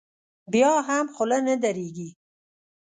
بیا هم خوله نه درېږي.